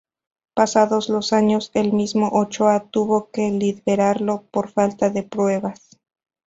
Pasados los años, el mismo Ochoa tuvo que liberarlo por falta de pruebas.